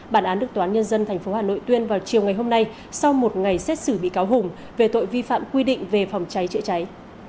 bản án được toán nhân dân tp hà nội tuyên vào chiều ngày hôm nay sau một ngày xét xử bị cáo hùng về tội vi phạm quy định về phòng cháy chữa cháy